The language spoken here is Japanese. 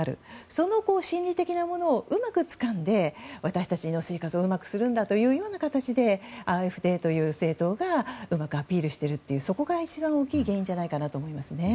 その心理的なものをうまくつかんで私たちの生活をうまくするんだというような形でＡｆＤという政党がうまくアピールしているというそこが一番大きい原因じゃないかと思いますね。